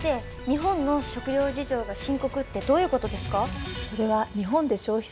日本の食料事情が深刻ってどういうことですか？